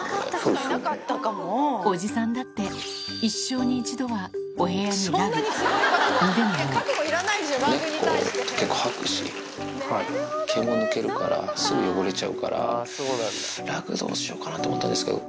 おじさんだって、一生に一度猫って結構、吐くし、毛も抜けるから、すぐ汚れちゃうから、ラグどうしようかなと思ったんですけど。